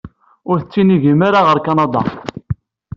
Ur tettinigem ara ɣer Kanada.